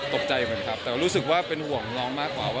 ตกใจเหมือนกันครับแต่ว่ารู้สึกว่าเป็นห่วงน้องมากกว่าว่า